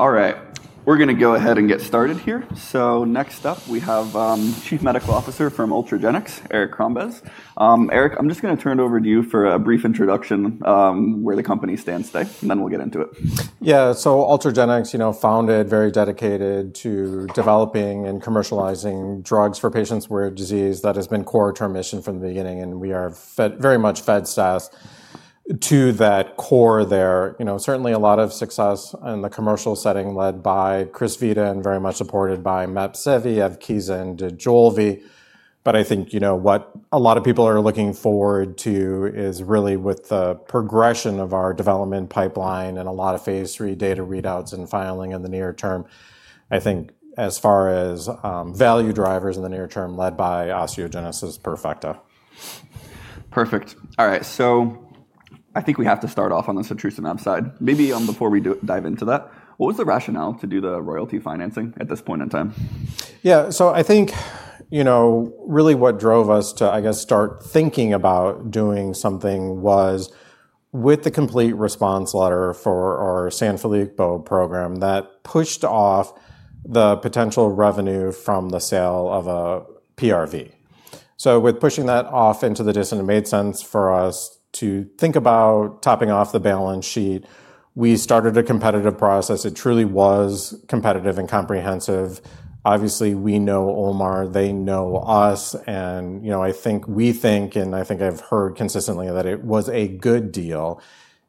All right, we're going to go ahead and get started here. So next up, we have Chief Medical Officer from Ultragenyx, Eric Crombez. Eric, I'm just going to turn it over to you for a brief introduction of where the company stands today, and then we'll get into it. Yeah, so Ultragenyx founded, very dedicated to developing and commercializing drugs for patients with disease. That has been core to our mission from the beginning, and we are very much adhered to that core there. Certainly, a lot of success in the commercial setting led by Crysvita and very much supported by Mepsevii, Evkeeza, and Dojolvi. But I think what a lot of people are looking forward to is really with the progression of our development pipeline and a lot of phase 3 data readouts and filing in the near term. I think as far as value drivers in the near term, led by Osteogenesis Imperfecta. Perfect. All right, so I think we have to start off on the setrusumab side. Maybe before we dive into that, what was the rationale to do the royalty financing at this point in time? Yeah, so I think really what drove us to, I guess, start thinking about doing something was with the Complete Response Letter for our Sanfilippo program that pushed off the potential revenue from the sale of a PRV. So with pushing that off into the distance, it made sense for us to think about topping off the balance sheet. We started a competitive process. It truly was competitive and comprehensive. Obviously, we know OMERS, they know us, and I think we think, and I think I've heard consistently, that it was a good deal.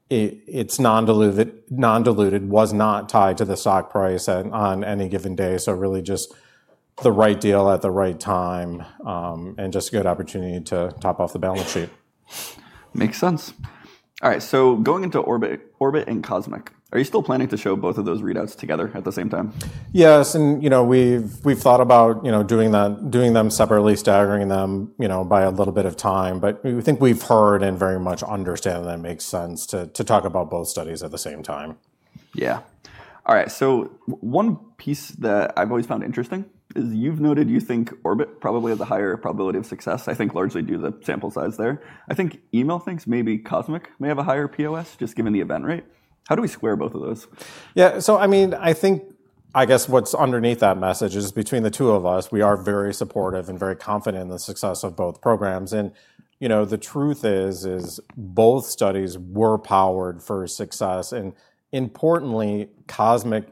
It's non-diluted, was not tied to the stock price on any given day. So really just the right deal at the right time and just a good opportunity to top off the balance sheet. Makes sense. All right, so going into Orbit and Cosmic, are you still planning to show both of those readouts together at the same time? Yes, and we've thought about doing them separately, staggering them by a little bit of time. But we think we've heard and very much understand that it makes sense to talk about both studies at the same time. Yeah. All right, so one piece that I've always found interesting is you've noted you think Orbit probably has a higher probability of success. I think largely due to the sample size there. I think Emil thinks maybe Cosmic may have a higher POS just given the event rate. How do we square both of those? Yeah, so I mean, I guess what's underneath that message is, between the two of us, we are very supportive and very confident in the success of both programs. The truth is both studies were powered for success. Importantly, Cosmic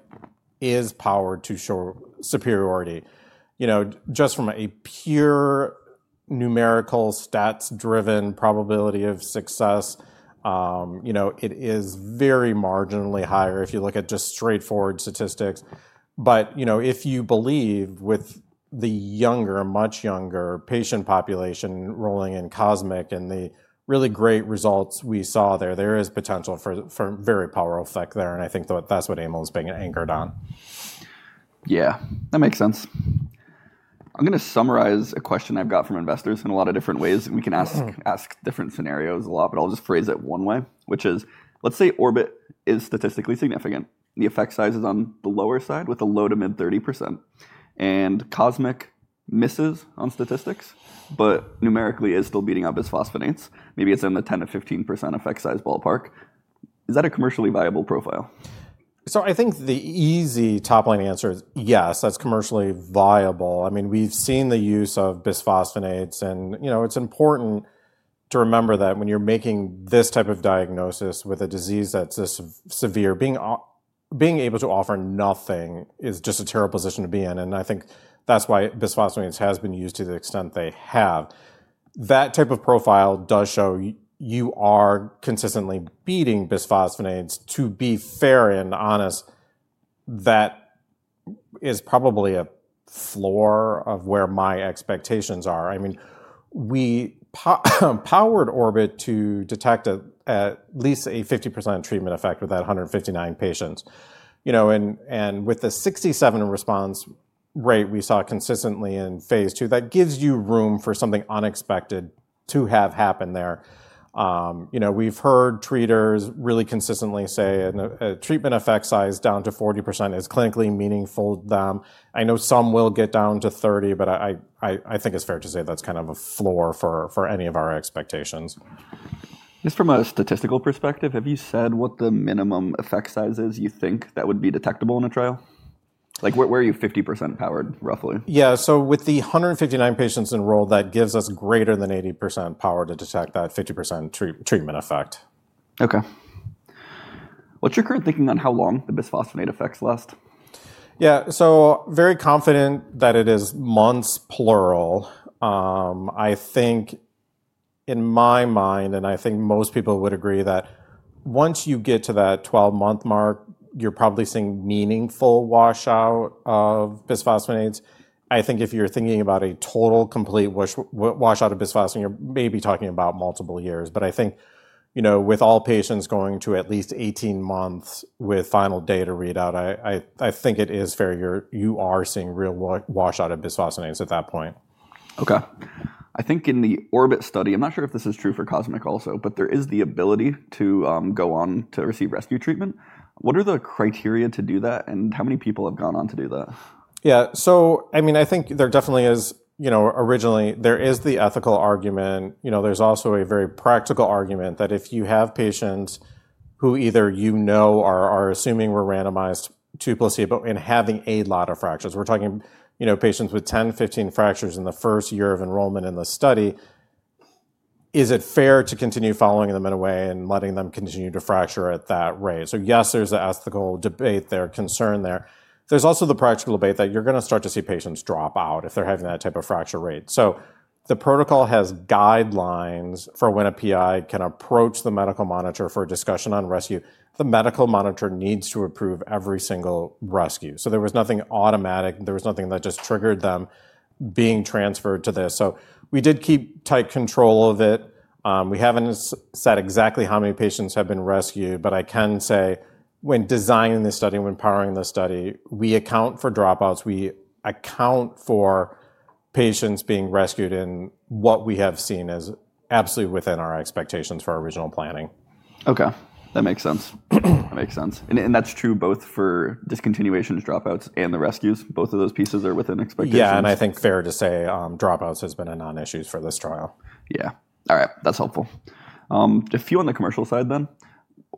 is powered to show superiority. Just from a pure numerical stats-driven probability of success, it is very marginally higher if you look at just straightforward statistics. But if you believe with the younger, much younger patient population rolling in Cosmic and the really great results we saw there, there is potential for very powerful effect there. I think that's what Emil's being anchored on. Yeah, that makes sense. I'm going to summarize a question I've got from investors in a lot of different ways, and we can ask different scenarios a lot, but I'll just phrase it one way, which is, let's say Orbit is statistically significant. The effect size is on the lower side with a low to mid 30%. And Cosmic misses on statistics, but numerically is still beating up Bisphosphonates. Maybe it's in the 10%-15% effect size ballpark. Is that a commercially viable profile? So I think the easy top line answer is yes, that's commercially viable. I mean, we've seen the use of Bisphosphonates. And it's important to remember that when you're making this type of diagnosis with a disease that's this severe, being able to offer nothing is just a terrible position to be in. And I think that's why Bisphosphonates has been used to the extent they have. That type of profile does show you are consistently beating Bisphosphonates. To be fair and honest, that is probably a floor of where my expectations are. I mean, we powered Orbit to detect at least a 50% treatment effect with that 159 patients. And with the 67% response rate we saw consistently in phase 2, that gives you room for something unexpected to have happened there. We've heard treaters really consistently say a treatment effect size down to 40% is clinically meaningful to them. I know some will get down to 30%, but I think it's fair to say that's kind of a floor for any of our expectations. Just from a statistical perspective, have you said what the minimum effect size is you think that would be detectable in a trial? Where are you 50% powered, roughly? Yeah, so with the 159 patients enrolled, that gives us greater than 80% power to detect that 50% treatment effect. OK. What's your current thinking on how long the bisphosphonate effects last? Yeah, so very confident that it is months plural. I think in my mind, and I think most people would agree that once you get to that 12-month mark, you're probably seeing meaningful washout of bisphosphonates. I think if you're thinking about a total complete washout of bisphosphonate, you're maybe talking about multiple years. But I think with all patients going to at least 18 months with final data readout, I think it is fair. You are seeing real washout of bisphosphonates at that point. OK. I think in the Orbit study, I'm not sure if this is true for Cosmic also, but there is the ability to go on to receive rescue treatment. What are the criteria to do that, and how many people have gone on to do that? Yeah, so I mean, I think there definitely is originally, there is the ethical argument. There's also a very practical argument that if you have patients who either you know are assuming were randomized to placebo and having a lot of fractures, we're talking patients with 10%, 15% fractures in the first year of enrollment in the study, is it fair to continue following them in a way and letting them continue to fracture at that rate? So yes, there's the ethical debate there, concern there. There's also the practical debate that you're going to start to see patients drop out if they're having that type of fracture rate. So the protocol has guidelines for when a PI can approach the medical monitor for a discussion on rescue. The medical monitor needs to approve every single rescue. So there was nothing automatic. There was nothing that just triggered them being transferred to this. So we did keep tight control of it. We haven't said exactly how many patients have been rescued. But I can say when designing this study, when powering this study, we account for dropouts. We account for patients being rescued in what we have seen as absolutely within our expectations for original planning. OK, that makes sense. That makes sense, and that's true both for discontinuations, dropouts, and the rescues. Both of those pieces are within expectations. Yeah, and I think fair to say dropouts has been a non-issue for this trial. Yeah. All right, that's helpful. A few on the commercial side then.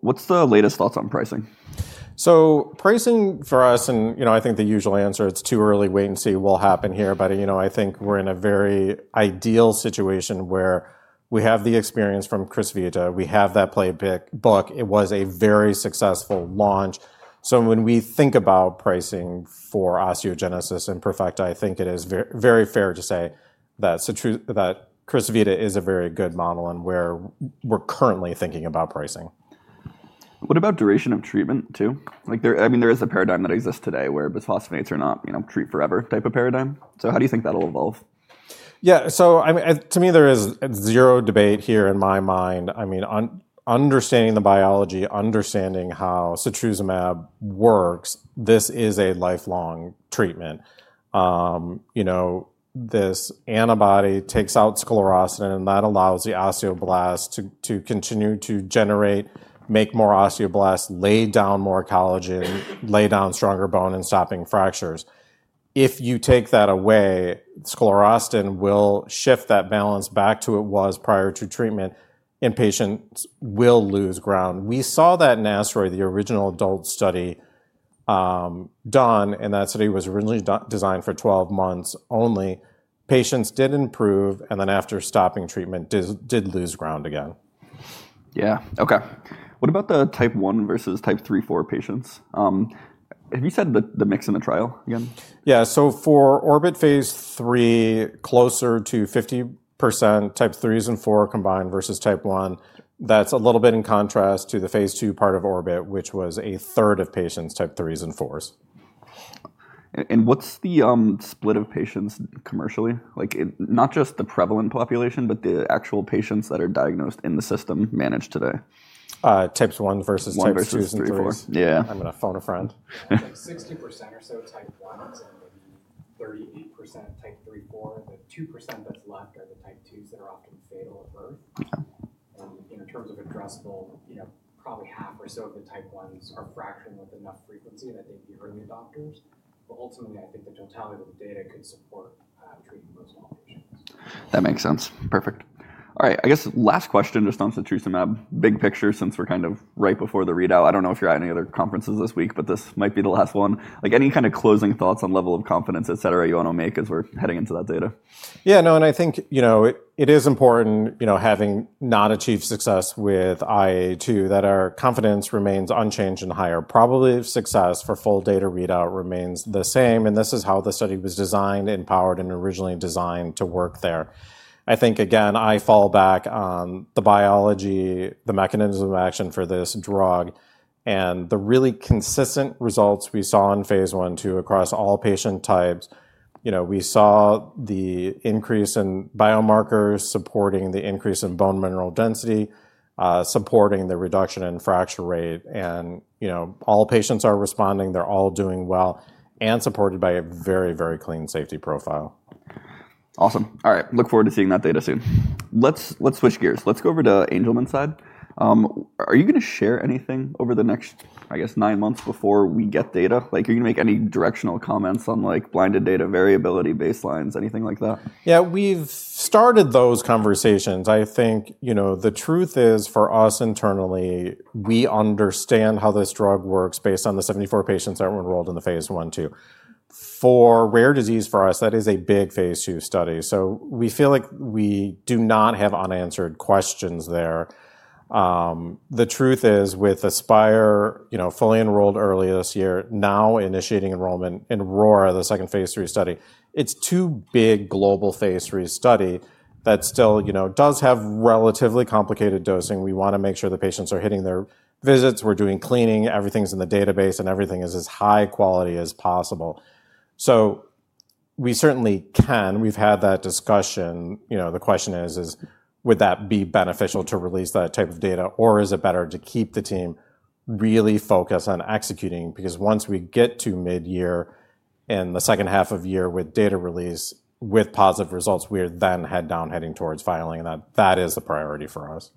What's the latest thoughts on pricing? So pricing for us, and I think the usual answer, it's too early. Wait and see what will happen here. But I think we're in a very ideal situation where we have the experience from Crysvita. We have that playbook. It was a very successful launch. So when we think about pricing for Osteogenesis Imperfecta, I think it is very fair to say that Crysvita is a very good model in where we're currently thinking about pricing. What about duration of treatment too? I mean, there is a paradigm that exists today where Bisphosphonates are not treat forever type of paradigm. So how do you think that will evolve? Yeah, so to me, there is zero debate here in my mind. I mean, understanding the biology, understanding how Setrusumab works, this is a lifelong treatment. This antibody takes out sclerostin, and that allows the osteoblasts to continue to generate, make more osteoblasts, lay down more collagen, lay down stronger bone, and stop fractures. If you take that away, sclerostin will shift that balance back to it was prior to treatment, and patients will lose ground. We saw that in ASTEROID, the original adult study done, and that study was originally designed for 12 months only. Patients did improve, and then after stopping treatment, did lose ground again. Yeah, OK. What about the type 1 versus type 3, 4 patients? Have you said the mix in the trial again? Yeah, so for Orbit phase 3, closer to 50% type 3s and 4s combined versus type 1. That's a little bit in contrast to the phase 2 part of Orbit, which was a third of patients type 3s and 4s. What's the split of patients commercially? Not just the prevalent population, but the actual patients that are diagnosed in the system managed today? Types one versus types twos and threes. Types 2s and 3s. Yeah. I'm going to phone a friend. 60% or so type 1s and maybe 38% type 3, 4. The 2% that's left are the type 2s that are often fatal at birth. And in terms of addressable, probably half or so of the type 1s are fracturing with enough frequency that they'd be early adopters. But ultimately, I think the totality of the data could support treating those small patients. That makes sense. Perfect. All right, I guess last question just on Setrusumab, big picture since we're kind of right before the readout. I don't know if you're at any other conferences this week, but this might be the last one. Any kind of closing thoughts on level of confidence, et cetera, you want to make as we're heading into that data? Yeah, no, and I think it is important having not achieved success with IA2 that our confidence remains unchanged and higher. Probably success for full data readout remains the same. And this is how the study was designed, empowered, and originally designed to work there. I think, again, I fall back on the biology, the mechanism of action for this drug, and the really consistent results we saw in phase 1/2, across all patient types. We saw the increase in biomarkers supporting the increase in bone mineral density, supporting the reduction in fracture rate. And all patients are responding. They're all doing well, supported by a very, very clean safety profile. Awesome. All right, look forward to seeing that data soon. Let's switch gears. Let's go over to Angelman's side. Are you going to share anything over the next, I guess, nine months before we get data? Are you going to make any directional comments on blinded data variability baselines, anything like that? Yeah, we've started those conversations. I think the truth is for us internally, we understand how this drug works based on the 74 patients that were enrolled in the phase 1/2. For rare disease for us, that is a big phase 2 study. So we feel like we do not have unanswered questions there. The truth is with Aspire fully enrolled early this year, now initiating enrollment in Aurora, the second phase 3 study, it's two big global phase 3 studies that still does have relatively complicated dosing. We want to make sure the patients are hitting their visits. We're doing cleaning. Everything's in the database, and everything is as high quality as possible. So we certainly can. We've had that discussion. The question is, would that be beneficial to release that type of data? Or is it better to keep the team really focused on executing? Because once we get to mid-year and the second half of year with data release with positive results, we are then heads down heading towards filing, and that is the priority for us.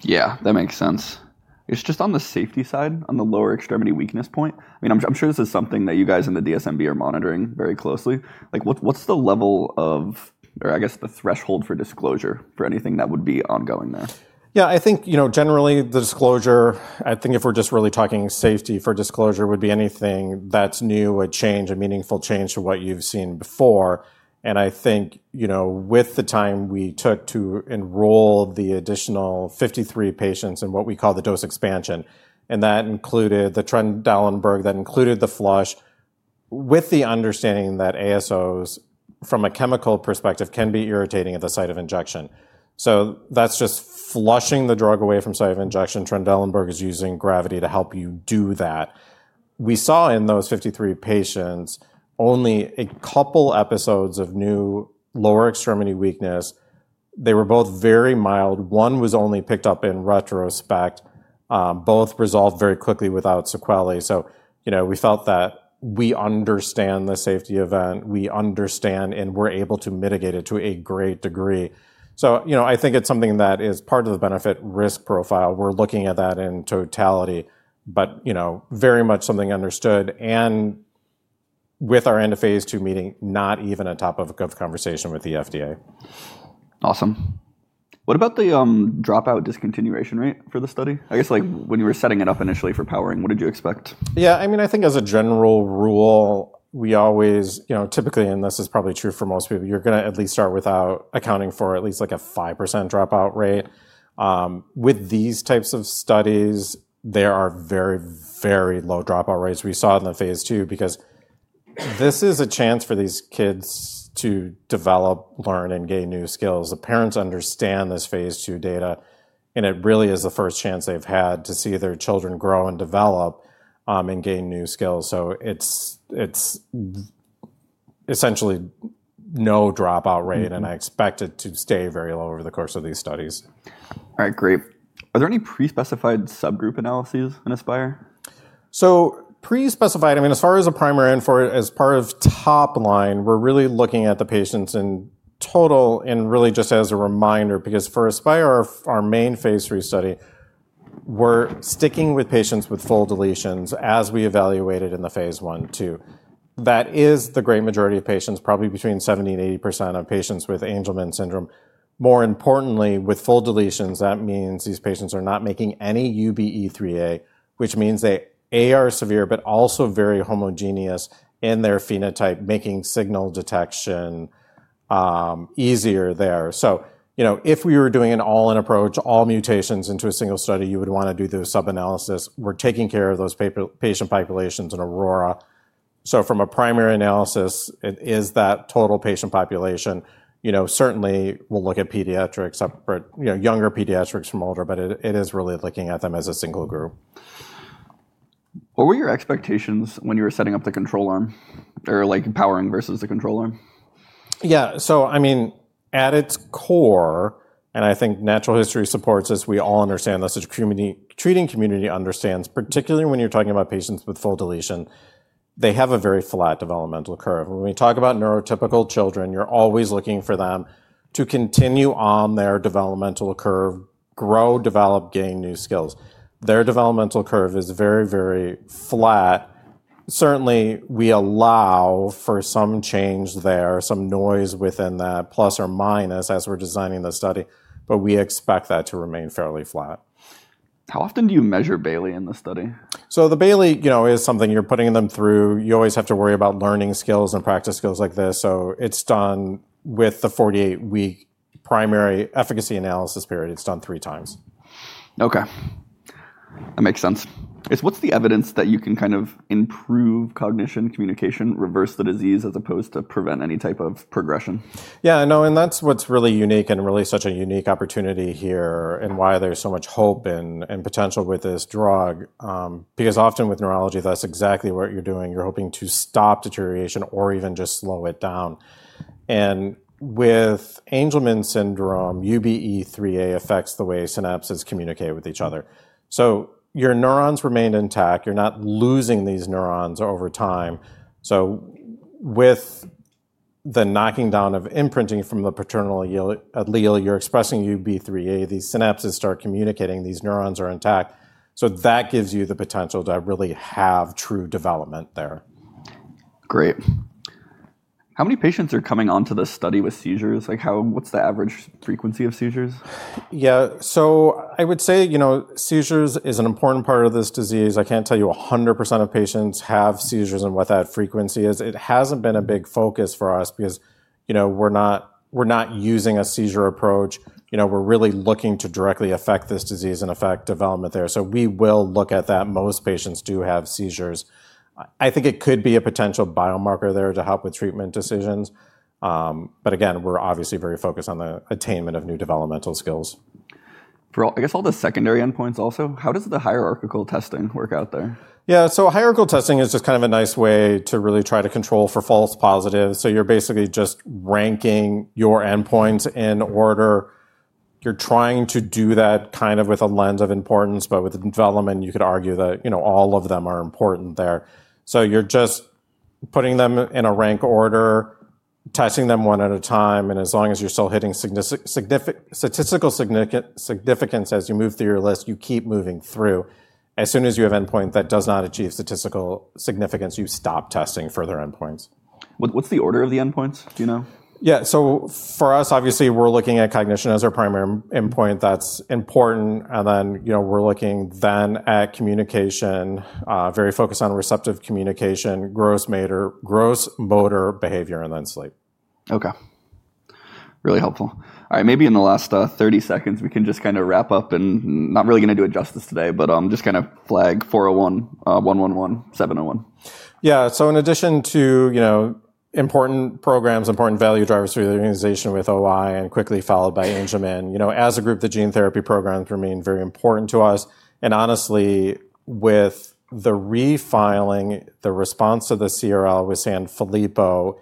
Yeah, that makes sense. It's just on the safety side, on the lower extremity weakness point. I mean, I'm sure this is something that you guys in the DSMB are monitoring very closely. What's the level of, or I guess the threshold for disclosure for anything that would be ongoing there? Yeah, I think generally the disclosure, I think if we're just really talking safety for disclosure, would be anything that's new, a change, a meaningful change to what you've seen before. And I think with the time we took to enroll the additional 53 patients and what we call the dose expansion, and that included the Trendelenburg, that included the flush with the understanding that ASOs from a chemical perspective can be irritating at the site of injection. So that's just flushing the drug away from site of injection. Trendelenburg is using gravity to help you do that. We saw in those 53 patients only a couple episodes of new lower extremity weakness. They were both very mild. One was only picked up in retrospect. Both resolved very quickly without sequelae. So we felt that we understand the safety event. We understand and we're able to mitigate it to a great degree. So I think it's something that is part of the benefit risk profile. We're looking at that in totality, but very much something understood. And with our end of phase 2 meeting, not even on top of a conversation with the FDA. Awesome. What about the dropout discontinuation rate for the study? I guess when you were setting it up initially for powering, what did you expect? Yeah, I mean, I think as a general rule, we always typically, and this is probably true for most people, you're going to at least start without accounting for at least like a 5% dropout rate. With these types of studies, there are very, very low dropout rates we saw in the phase 2 because this is a chance for these kids to develop, learn, and gain new skills. The parents understand this phase 2 data, and it really is the first chance they've had to see their children grow and develop and gain new skills. So it's essentially no dropout rate, and I expect it to stay very low over the course of these studies. All right, great. Are there any pre-specified subgroup analyses in Aspire? So pre-specified, I mean, as far as a primary end for it, as part of top line, we're really looking at the patients in total and really just as a reminder. Because for Aspire, our main phase 3 study, we're sticking with patients with full deletions as we evaluated in the phase 1/2. That is the great majority of patients, probably between 70% and 80% of patients with Angelman syndrome. More importantly, with full deletions, that means these patients are not making any UBE3A, which means they are severe, but also very homogeneous in their phenotype, making signal detection easier there. So if we were doing an all-in approach, all mutations into a single study, you would want to do the sub-analysis. We're taking care of those patient populations in Aurora. So from a primary analysis, it is that total patient population. Certainly, we'll look at pediatrics, younger pediatrics from older, but it is really looking at them as a single group. What were your expectations when you were setting up the control arm or powering versus the control arm? Yeah, so I mean, at its core, and I think natural history supports this, we all understand this. The treating community understands, particularly when you're talking about patients with full deletion, they have a very flat developmental curve. When we talk about neurotypical children, you're always looking for them to continue on their developmental curve, grow, develop, gain new skills. Their developmental curve is very, very flat. Certainly, we allow for some change there, some noise within that, plus or minus as we're designing the study. But we expect that to remain fairly flat. How often do you measure Bayley in the study? The Bayley is something you're putting them through. You always have to worry about learning skills and practice skills like this. It's done with the 48-week primary efficacy analysis period. It's done three times. OK, that makes sense. What's the evidence that you can kind of improve cognition, communication, reverse the disease as opposed to prevent any type of progression? Yeah, no, and that's what's really unique and really such a unique opportunity here and why there's so much hope and potential with this drug. Because often with neurology, that's exactly what you're doing. You're hoping to stop deterioration or even just slow it down, and with Angelman syndrome, UBE3A affects the way synapses communicate with each other, so your neurons remain intact. You're not losing these neurons over time, so with the knocking down of imprinting from the paternal allele, you're expressing UBE3A. These synapses start communicating. These neurons are intact, so that gives you the potential to really have true development there. Great. How many patients are coming on to this study with seizures? What's the average frequency of seizures? Yeah, so I would say seizures is an important part of this disease. I can't tell you 100% of patients have seizures and what that frequency is. It hasn't been a big focus for us because we're not using a seizure approach. We're really looking to directly affect this disease and affect development there. So we will look at that. Most patients do have seizures. I think it could be a potential biomarker there to help with treatment decisions. But again, we're obviously very focused on the attainment of new developmental skills. I guess all the secondary endpoints also, how does the hierarchical testing work out there? Yeah, so hierarchical testing is just kind of a nice way to really try to control for false positives. So you're basically just ranking your endpoints in order. You're trying to do that kind of with a lens of importance. But with development, you could argue that all of them are important there. So you're just putting them in a rank order, testing them one at a time. And as long as you're still hitting statistical significance as you move through your list, you keep moving through. As soon as you have endpoint that does not achieve statistical significance, you stop testing further endpoints. What's the order of the endpoints, do you know? Yeah, so for us, obviously, we're looking at cognition as our primary endpoint. That's important, and then we're looking then at communication, very focused on receptive communication, gross motor behavior, and then sleep. Okay, really helpful. All right, maybe in the last 30 seconds, we can just kind of wrap up, and I'm not really going to do it justice today, but I'm just going to flag 401, 111, 701. Yeah, so in addition to important programs, important value drivers through the organization with OI and quickly followed by Angelman, as a group, the gene therapy programs remain very important to us. And honestly, with the refiling, the response to the CRL with Sanfilippo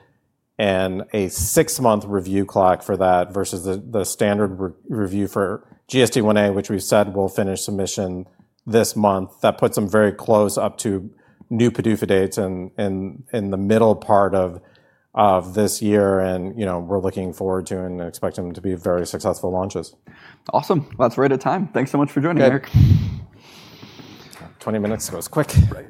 and a six-month review clock for that versus the standard review for GSD1A, which we said we'll finish submission this month, that puts them very close up to new PDUFA dates in the middle part of this year. And we're looking forward to and expect them to be very successful launches. Awesome. Well, that's right on time. Thanks so much for joining, Eric. 20 minutes goes quick.